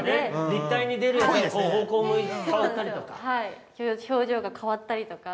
◆立体に出る、方向が変わったりとか。